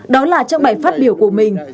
đó là trong bài phát biểu của mình